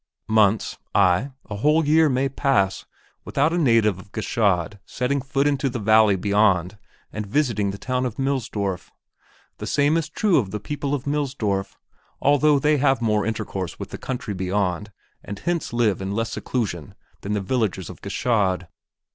Months, ay a whole year may pass without a native of Gschaid setting foot into the valley beyond and visiting the town of Millsdorf. The same is true of the people of Millsdorf, although they have more intercourse with the country beyond and hence live in less seclusion than the villagers of Gschaid.